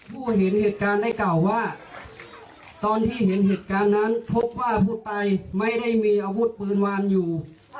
ผู้เห็นเหตุการณ์ได้กล่าวว่าตอนที่เห็นเหตุการณ์นั้นพบว่าผู้ตายไม่ได้มีอาวุธปืนวางอยู่